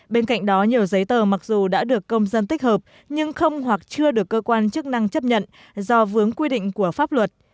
bên cạnh đó nhiều giấy tờ mặc dù đã được công dân tích hợp nhưng không hoặc chưa được cơ quan chức năng chấp nhận do vướng quy định của pháp luật